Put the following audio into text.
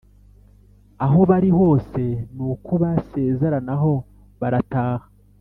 aho bari hose, nuko basezeranaho barataha.